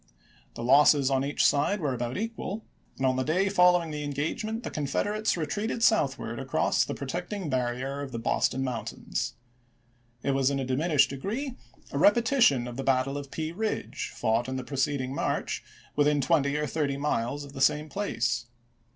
The losses on each side were about equal, and on the day following the engagement 384 ABKAHAM LINCOLN ch. XVIII. the Confederates retreated southward across the 1862. protecting barrier of the Boston Mountains. It was in a diminished degree a repetition of the battle of Pea Ridge, fought in the preceding March within twenty or thirty miles of the same place.